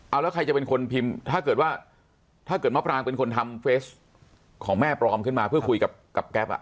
เอาแล้วใครจะเป็นคนพิมพ์ถ้าเกิดว่าถ้าเกิดมะปรางเป็นคนทำเฟสของแม่ปลอมขึ้นมาเพื่อคุยกับแก๊ปอ่ะ